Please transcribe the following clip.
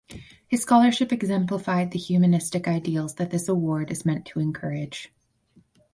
His scholarship exemplified the humanistic ideals that this award is meant to encourage.